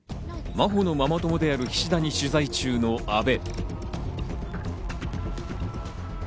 真帆のママ友である菱田に取材中の阿部。